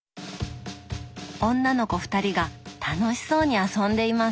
女の子２人が楽しそうに遊んでいます。